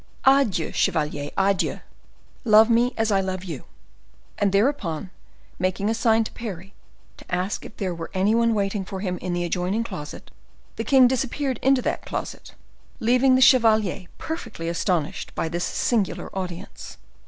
"Adieu, chevalier, adieu. Love me as I love you." And thereupon, making a sign to Parry to ask if there were any one waiting for him in the adjoining closet, the king disappeared into that closet, leaving the chevalier perfectly astonished by this singular audience.